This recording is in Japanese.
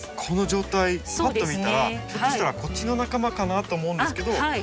この状態パッと見たらひょっとしたらこっちの仲間かなと思うんですけど。